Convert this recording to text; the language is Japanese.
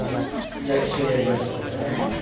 じゃあ一緒にやりましょうね。